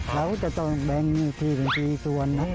เราจะต้องแบ่งเนื้อที่เป็นที่ส่วน